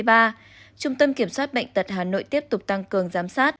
trung tâm kiểm soát bệnh tật hà nội tiếp tục tăng cường giám sát